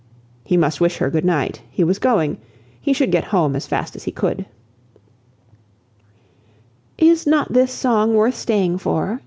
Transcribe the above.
"He must wish her good night; he was going; he should get home as fast as he could." "Is not this song worth staying for?"